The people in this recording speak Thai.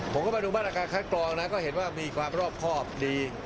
ผมก็มาดูมาตรการคัดกรองนะก็เห็นว่ามีความรอบครอบดี